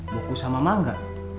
buku sama mangga